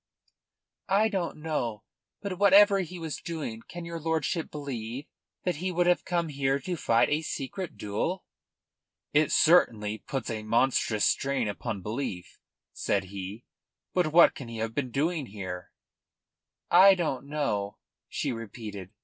"I don't know. But whatever he was doing, can your lordship believe that he would have come here to fight a secret duel?" "It certainly puts a monstrous strain upon belief," said he. "But what can he have been doing here?" "I don't know," she repeated.